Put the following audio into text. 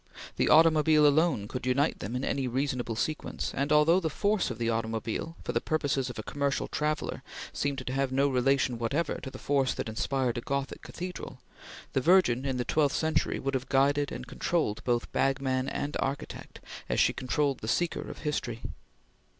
The automobile alone could unite them in any reasonable sequence, and although the force of the automobile, for the purposes of a commercial traveller, seemed to have no relation whatever to the force that inspired a Gothic cathedral, the Virgin in the twelfth century would have guided and controlled both bag man and architect, as she controlled the seeker of history.